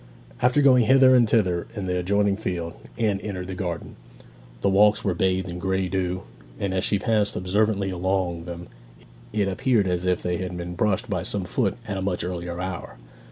After going hither and thither in the adjoining field, Anne entered the garden. The walks were bathed in grey dew, and as she passed observantly along them it appeared as if they had been brushed by some foot at a much earlier hour.